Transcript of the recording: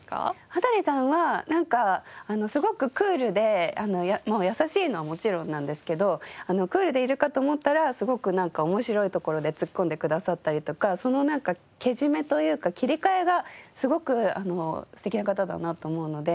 羽鳥さんはすごくクールで優しいのはもちろんなんですけどクールでいるかと思ったらすごく面白いところでツッコんでくださったりとかそのなんかけじめというか切り替えがすごく素敵な方だなと思うので。